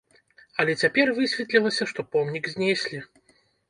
Але цяпер высветлілася, што помнік знеслі.